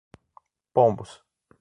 Pombos